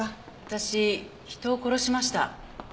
私人を殺しました。